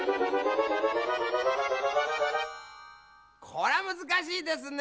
これはむずかしいですね。